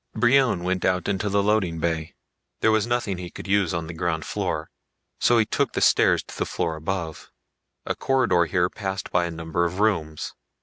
Brion went out into the loading bay. There was nothing he could use on the ground floor, so he took the stairs to the floor above. A corridor here passed by a number of rooms.